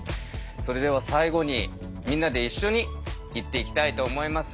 それでは最後にみんなで一緒に言っていきたいと思います。